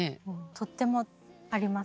とってもあります。